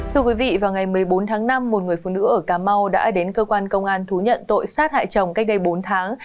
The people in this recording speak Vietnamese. thưa quý vị vào ngày một mươi bốn tháng năm một người phụ nữ ở cà mau đã đến cơ quan công an thú nhận tội sát hại chồng cách đây bốn tháng